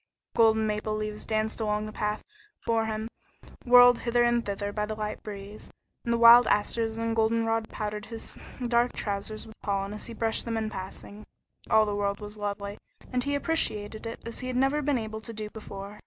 Golden maple leaves danced along on the path before him, whirled hither and thither by the light breeze, and the wild asters and goldenrod powdered his dark trousers with pollen as he brushed them in passing. All the world was lovely, and he appreciated it as he had never been able to do before.